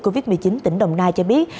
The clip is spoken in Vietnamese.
covid một mươi chín tỉnh đồng nai cho biết